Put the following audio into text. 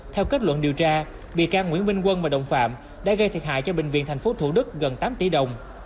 theo kết luận điều tra bị can nguyễn minh quân và đồng phạm đã gây thiệt hại cho bệnh viện tp thủ đức gần tám tỷ đồng